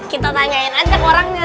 kita tanyain aja ke orangnya